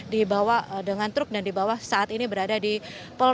dibawa dengan truk dan di bawah saat ini berada di polres